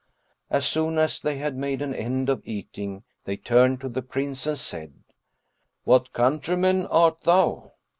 As soon as they had made an end of eating, they turned to the Prince and said, "What countryman art thou?"